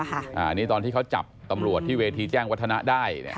อันนี้ตอนที่เขาจับตำรวจที่เวทีแจ้งวัฒนะได้